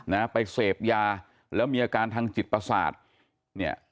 นะไปเสพยาแล้วมีอาการทางจิตประสาทเนี่ย